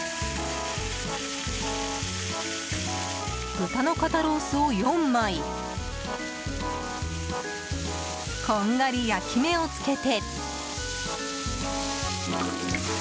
豚の肩ロースを４枚こんがり焼き目をつけて。